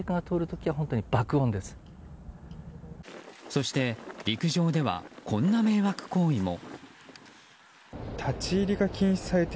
そして陸上ではこんな迷惑行為も。